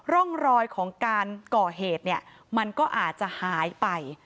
ร่องรอยของการก่อเหตุเนี่ยมันก็อาจจะหายไป